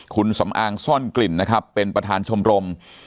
คุณสำอางซ่อนกลิ่นนะครับเป็นประธานชมรม